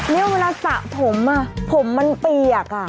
นี่คุณลักษณะผมอ่ะผมมันเปียกอ่ะ